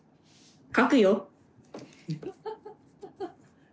書くよ。